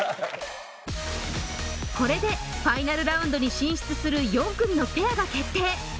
これでファイナルラウンドに進出する４組のペアが決定